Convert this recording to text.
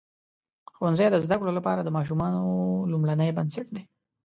ښوونځی د زده کړو لپاره د ماشومانو لومړنۍ بنسټ دی.